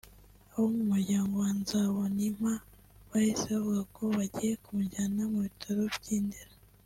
Abo mu muryango wa Nzabonimpa bahise bavuga ko bagiye ku mujyana mu bitaro by’Indera